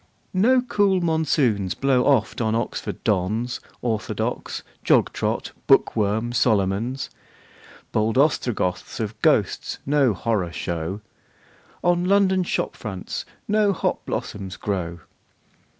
No cool monsoons blow oft on Oxford dons. Orthodox, jog trot, book worm Solomons! Bold Ostrogoths of ghosts no horror show. On London shop fronts no hop blossoms grow.